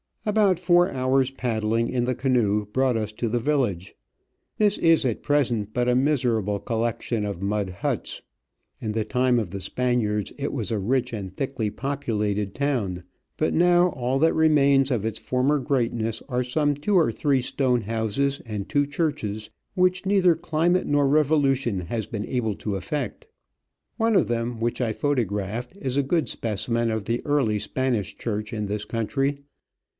About four hours paddling in the canoe brought us to the village. This is at present but a miserable collection of mud huts. In the time of the Spaniards it was a rich and thickly populated Digitized by VjOOQIC 74 Travels and Adventures town, but now all that remains of its former greatness are some two or three stone houses and two churches, which neither climate nor revolution has been able to affect. One of them, which I photographed, is a good specimen of the early Spanish church in this country.